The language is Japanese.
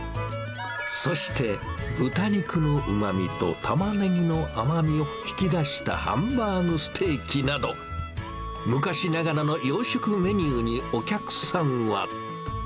そして豚肉のうまみとたまねぎの甘みを引き出したハンバーグステーキなど、昔ながらの洋食メニューにお客さんは。